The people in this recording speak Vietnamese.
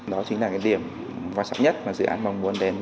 đó chính là cái điểm quan trọng nhất mà dự án mong muốn đến